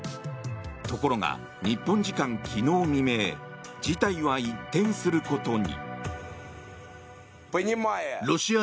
ところが、日本時間昨日未明事態は一転することに。